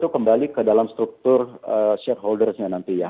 tapi kemudian apakah dengan struktur shareholders nya nanti ya